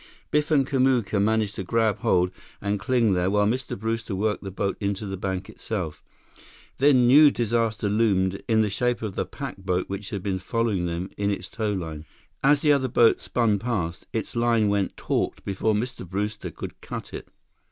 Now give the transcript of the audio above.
Biff and Kamuka managed to grab hold and cling there, while Mr. Brewster worked the boat into the bank itself. Then new disaster loomed in the shape of the pack boat which had been following them on its towline. As the other boat spun past, its line went taut before Mr. Brewster could cut it.